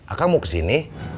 akan mau kesini